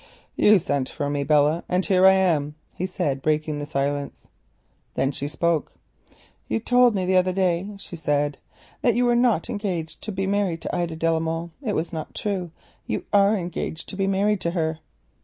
"You sent for me, Belle, and here I am," he said, breaking the silence. Then she spoke. "You told me the other day," she said, "that you were not engaged to be married to Ida de la Molle. It is not true. You are engaged to be married to her."